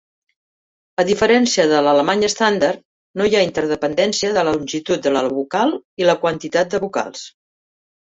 A diferència de l'alemany estàndard, no hi ha interdependència de la longitud de la vocal i la quantitat de vocals.